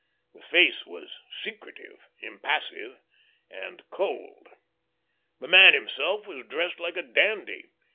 The face was secretive, impassive, and cold. The man himself was dressed like a dandy.